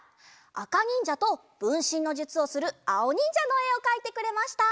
あかにんじゃとぶんしんのじゅつをするあおにんじゃのえをかいてくれました。